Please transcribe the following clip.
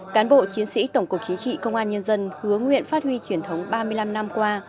cán bộ chiến sĩ tổng cục chính trị công an nhân dân hứa nguyện phát huy truyền thống ba mươi năm năm qua